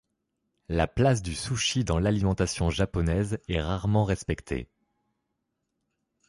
La place du sushi dans l'alimentation japonaise est rarement respectée.